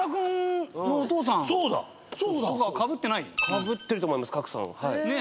かぶってると思います郭さん。